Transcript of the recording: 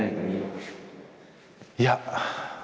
いや。